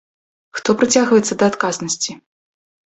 Хто прыцягваецца да адказнасці?